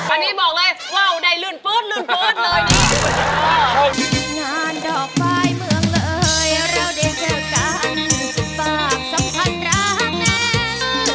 อันนี้บอกเลยว้าวได้เลื่อนฟื้นเลื่อนฟื้นเลยนี่